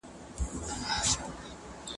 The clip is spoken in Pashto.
مذهبي لږکي د غونډو جوړولو قانوني اجازه نه لري.